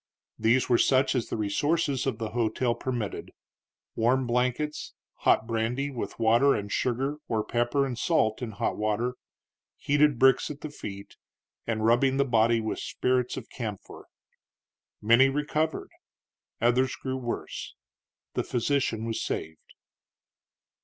These were such as the resources of the hotel permitted, warm blankets, hot brandy, with water and sugar, or pepper and salt in hot water, heated bricks at the feet, and rubbing the body with spirits of camphor. Many recovered, others grew worse; the physician was saved.